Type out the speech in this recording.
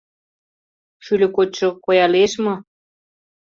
— Шӱльӧ кочшо коя лиеш мо?